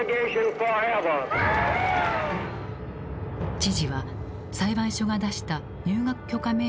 知事は裁判所が出した入学許可命令を拒否。